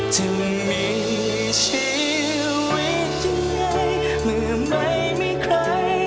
จะมีชีวิตยังไงเมื่อไม่มีใคร